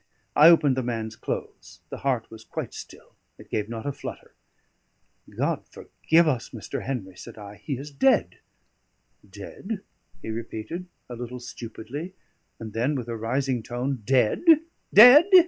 I opened the man's clothes; the heart was quite still, it gave not a flutter. "God forgive us, Mr. Henry!" said I. "He is dead." "Dead?" he repeated, a little stupidly; and then, with a rising tone, "Dead? dead?"